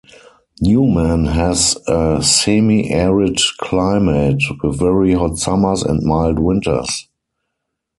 Newman has a semi-arid climate, with very hot summers and mild winters.